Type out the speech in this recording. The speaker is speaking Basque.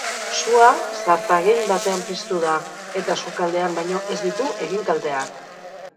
Sua zartagin batean piztu da, eta sukaldean baino ez ditu egin kalteak.